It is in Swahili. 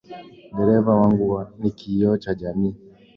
Dereva wangu ni kioo cha jamii.